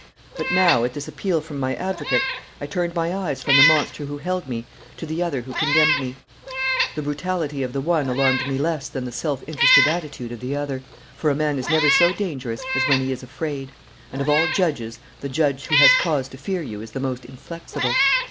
But now, at this appeal from my advocate, I turned my eyes from the monster who held me to the other who condemned me. The brutality of the one alarmed me less than the self interested attitude of the other, for a man is never so dangerous as when he is afraid, and of all judges the judge who has cause to fear you is the most inflexible.